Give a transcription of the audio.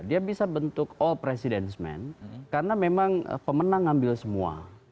dia bisa bentuk all presidents man karena memang pemenang ambil semua